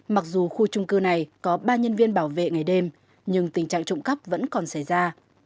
mặc dù khu trung cư này có ba nhân viên bảo vệ ngày đêm nhưng tình trạng trộm cắp vẫn còn xảy ra